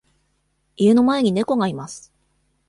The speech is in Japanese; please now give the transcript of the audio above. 家の前に猫がいます。